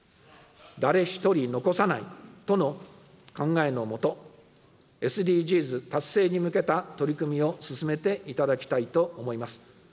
誰一人残さないとの考えの下、ＳＤＧｓ達成に向けた取り組みを進めていただきたいと思います。